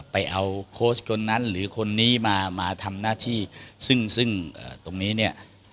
ไปเอาโค้ชคนนั้นหรือคนนี้มามาทำหน้าที่ซึ่งซึ่งตรงนี้เนี่ย